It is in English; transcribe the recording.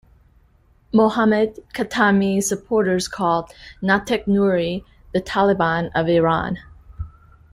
Mohammad Khatami's supporters called Nateq-Nouri the "Taliban" of Iran.